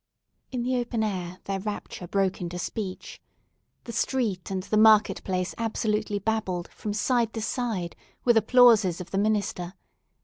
In the open air their rapture broke into speech. The street and the market place absolutely babbled, from side to side, with applauses of the minister.